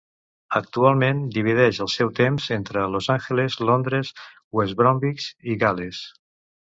Actualment divideix el seu temps entre Los Angeles, Londres, West Bromwich i Gal·les.